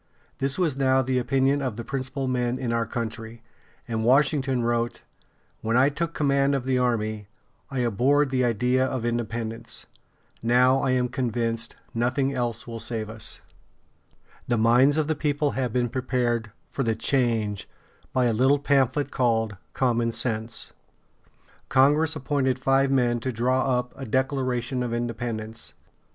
This was now the opinion of the principal men in our country, and Washington wrote: "When I took command of the army, I abhorred the idea of independence; now I am convinced nothing else will save us." [Illustration: John Trumbull, Artist. Signing the Declaration of Independence.] The minds of the people having been prepared for the change by a little pamphlet called "Common Sense," Congress appointed five men to draw up a Declaration of Independence.